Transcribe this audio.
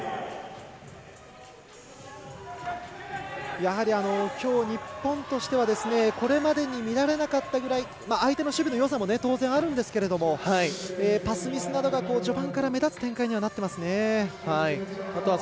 やはりきょう、日本としてはこれまでに見られなかったぐらい相手の守備のよさも当然あるんですけれどもパスミスなどが序盤から目立つ展開になってますね。